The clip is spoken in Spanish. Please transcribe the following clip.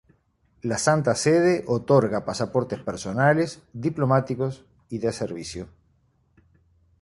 La Santa Sede otorga pasaportes personales, diplomáticos y de servicio.